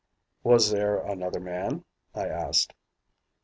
"Was there another man?" I asked.